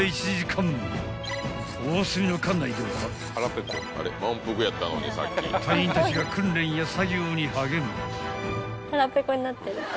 ［おおすみの艦内では隊員たちが訓練や作業に励む］